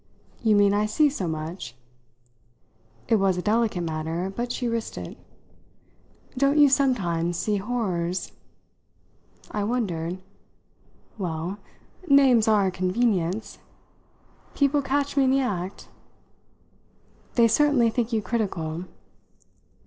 "You mean I see so much?" It was a delicate matter, but she risked it. "Don't you sometimes see horrors?" I wondered. "Well, names are a convenience. People catch me in the act?" "They certainly think you critical."